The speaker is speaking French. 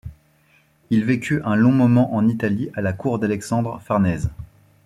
Il vécut un long moment en Italie à la Cour d'Alexandre Farnèse.